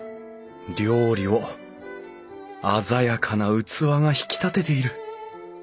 料理を鮮やかな器が引き立てている。